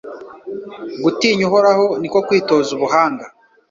Gutinya Uhoraho ni ko kwitoza ubuhanga